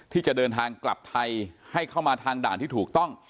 ที่จะเดินทางกลับไทยให้เข้ามาทางด่านที่ถูกต้อง